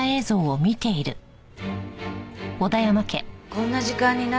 こんな時間に何？